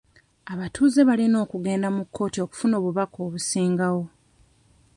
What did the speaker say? Abatuuze balina okugenda mu kkooti okufuna obubaka obusingawo.